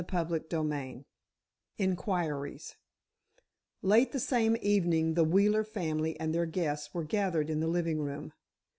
CHAPTER VII INQUIRIES Late the same evening the Wheeler family and their guests were gathered in the living room.